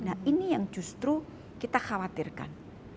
nah ini yang justru kita khawatirkan